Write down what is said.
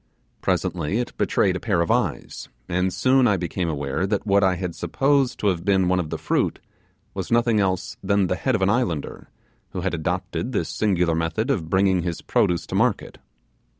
Presently it betrayed a pair of eyes, and soon I became aware that what I had supposed to have been one of the fruit was nothing else than the head of an islander, who had adopted this singular method of bringing his produce to market.